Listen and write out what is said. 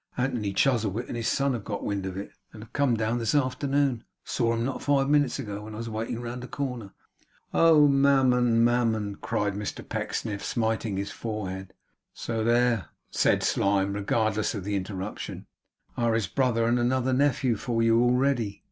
'Anthony Chuzzlewit and his son have got wind of it, and have come down this afternoon. I saw 'em not five minutes ago, when I was waiting round the corner.' 'Oh, Mammon, Mammon!' cried Mr Pecksniff, smiting his forehead. 'So there,' said Slyme, regardless of the interruption, 'are his brother and another nephew for you, already.